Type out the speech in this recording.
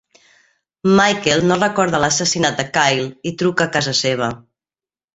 Michael no recorda l'assassinat de Kyle i truca a casa seva.